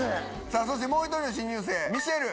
さぁそしてもう１人の新入生。